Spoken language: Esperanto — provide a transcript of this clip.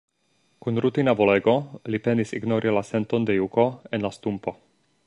Kun rutina volego, li penis ignori la senton de juko en la stumpo.